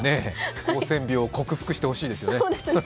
高専病克服してほしいですね。